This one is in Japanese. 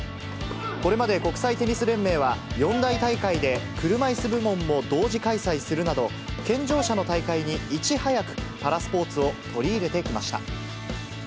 これまで国際テニス連盟は、四大大会で車いす部門も同時開催するなど、健常者の大会にいち早く、パラスポーツを取り入れてきました。